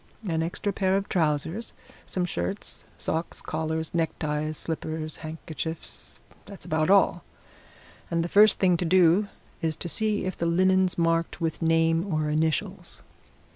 An extra pair of trousers some shirts socks collars neckties slippers handkerchiefs that's about all. And the first thing to do is to see if the linen's marked with name or initials."